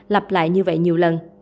lặp lại như vậy nhiều lần